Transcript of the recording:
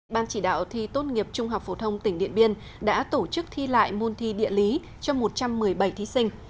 ban chỉ đạo thi tốt nghiệp trung học phổ thông tỉnh điện biên đã tổ chức thi lại môn thi địa lý cho một trăm một mươi bảy thí sinh